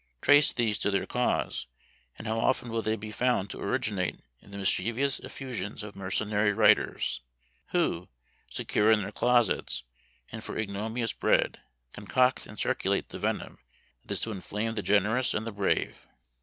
Trace these to their cause, and how often will they be found to originate in the mischievous effusions of mercenary writers, who, secure in their closets, and for ignominious bread, concoct and circulate the venom that is to inflame the generous and the brave.